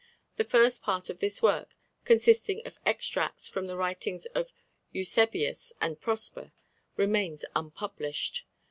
The first part of this work, consisting of extracts from the writings of Eusebius and Prosper, remains unpublished.